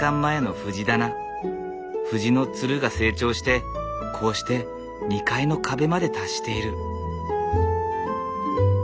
フジのツルが成長してこうして２階の壁まで達している。